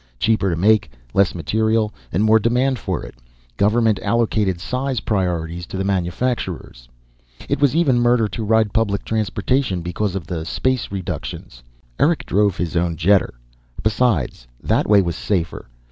Cheaper to make, less material, and more demand for it. Government allocated size priorities to the manufacturers. It was even murder to ride public transportation because of the space reductions. Eric drove his own jetter. Besides, that way was safer.